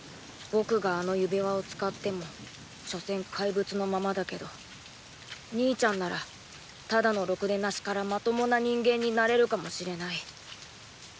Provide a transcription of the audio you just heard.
僕があの指輪を使っても所詮怪物のままだけど兄ちゃんならただのロクデナシからまともな人間になれるかもしれない。